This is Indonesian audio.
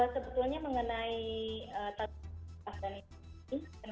sebetulnya mengenai tanaman afganistan ini